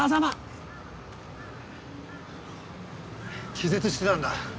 気絶してたんだ。